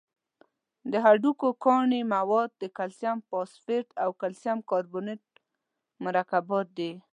د هډوکو کاني مواد د کلسیم فاسفیټ او کلسیم کاربونیت مرکبات دي.